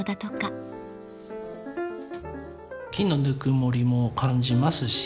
木のぬくもりも感じますし